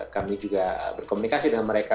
kami juga berkomunikasi dengan mereka